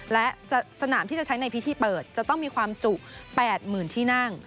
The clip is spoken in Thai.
และสนามที่จะใช้ในพิธีเปิดจะต้องมีความจุ๘๐๐๐ที่นั่ง